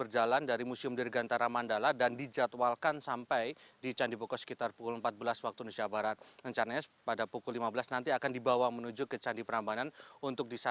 jadi kita ulang lagi sejarahnya